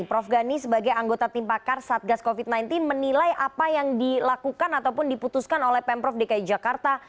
prof gani sebagai anggota tim pakar satgas covid sembilan belas menilai apa yang dilakukan ataupun diputuskan oleh pemprov dki jakarta